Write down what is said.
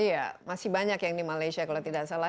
iya masih banyak yang di malaysia kalau tidak salah